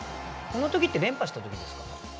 この時って連覇した時ですか？